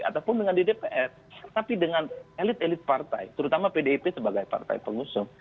ataupun dengan ddpf tapi dengan elit elit partai terutama pdip sebagai partai pengusuh